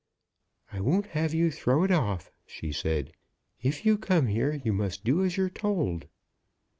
"I won't have you throw it off," she said; "if you come here you must do as you're told."